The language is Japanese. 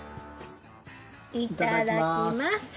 いただきます。